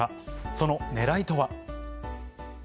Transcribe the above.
そのねらいとは。